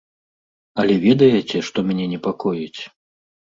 Але ведаеце, што мяне непакоіць?